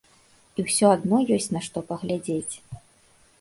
І ўсё адно ёсць на што паглядзець.